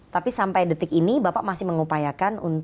tapi sampai detik ini bapak masih mengupayakan